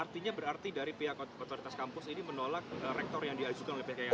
artinya berarti dari pihak otoritas kampus ini menolak rektor yang diajukan oleh pihak yayasan